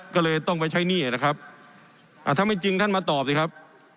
ก็เลยต้องไปใช้หนี้นะครับอ่าถ้าไม่จริงท่านมาตอบสิครับ